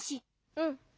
うん。